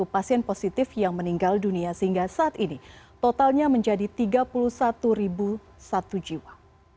dua ratus tiga puluh satu pasien positif yang meninggal dunia sehingga saat ini totalnya menjadi tiga puluh satu ribu satu jiwa